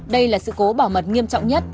đây là sự cố bảo mật nghiêm trọng nhất